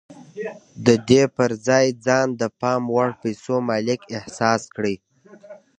د دې پر ځای ځان د پام وړ پيسو مالک احساس کړئ.